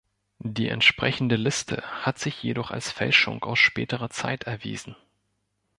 Die entsprechende Liste hat sich jedoch als Fälschung aus späterer Zeit erwiesen.